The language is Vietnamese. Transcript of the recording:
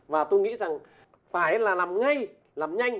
và tôi nghĩ rằng phải là làm ngay làm nhanh